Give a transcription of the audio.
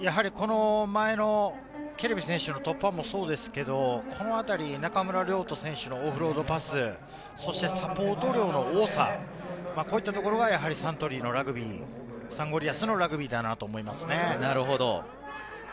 この前のケレビ選手の突破もそうですけれどこのあたり、中村亮土選手のオフロードパス、そしてサポート量の多さ、こういったところがサントリーのラグビー、サンゴリアスのラグビーだなと思いますね。